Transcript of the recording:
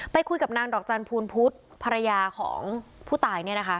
ไปคุยกับนางดอกจันภูนพุธภรรยาของผู้ตายเนี่ยนะคะ